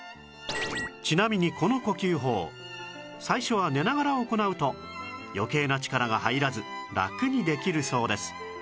ちなみにこの呼吸法最初は寝ながら行うと余計な力が入らずラクにできるそうです